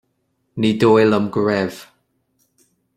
Ní dóigh liom go raibh